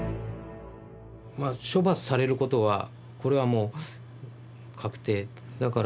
まあ処罰される事はこれはもう確定。